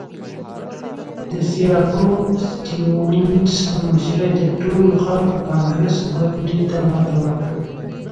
د سیاکا سټیونز په مشرۍ د ټولو خلکو کانګرس ګوند دوی ته ماته ورکړه.